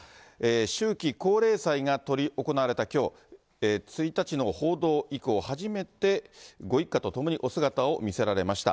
秋季皇霊祭が執り行われたきょう、１日の報道以降、初めて、ご一家と共にお姿を見せられました。